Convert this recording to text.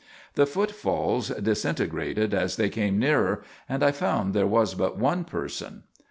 The footfalls disintegrated as they came nearer and I found there was but one person.